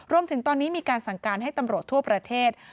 รวมถึงตอนนี้มีการสั่งการให้ตำรวจทั่วประเทศ